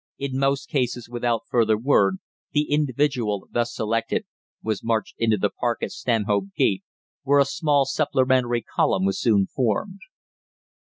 In most cases, without further word, the individual thus selected was marched into the Park at Stanhope Gate, where a small supplementary column was soon formed.